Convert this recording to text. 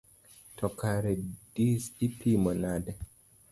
To kare dis ipimo nade?